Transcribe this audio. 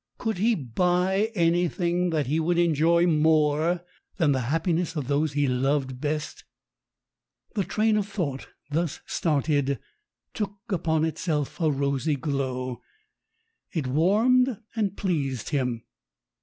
Could he buy anything that he would enjoy more than the happiness of those he loved best? The train of thought thus started took upon itself a rosy glow; it warmed and pleased him.